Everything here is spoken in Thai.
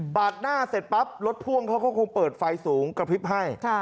หน้าเสร็จปั๊บรถพ่วงเขาก็คงเปิดไฟสูงกระพริบให้